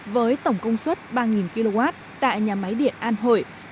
với tổng công suất ba kw tại nhà máy điện an hội